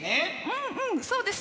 うんうんそうです